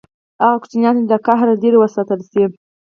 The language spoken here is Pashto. هغه ماشومان چې له قهر لرې وساتل شي.